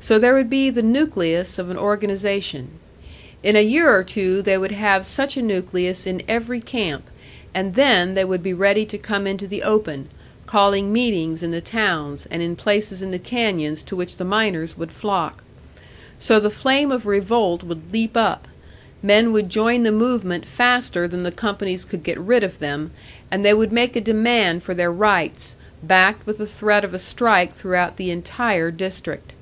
So there would be the nucleus of an organisation. In a year or two they would have such a nucleus in every camp, and then they would be ready to come into the open, calling meetings in the towns, and in places in the canyons to which the miners would flock. So the flame of revolt would leap up; men would join the movement faster than the companies could get rid of them, and they would make a demand for their rights, backed with the threat of a strike throughout the entire district.